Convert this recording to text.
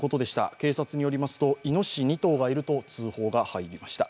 警察によりますと、いのしし２頭がいると通報が入りました。